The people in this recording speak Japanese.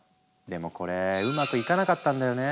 でもこれうまくいかなかったんだよね。